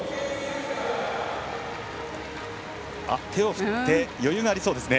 手を振って余裕がありそうですね。